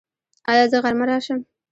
ایا زه غرمه راشم؟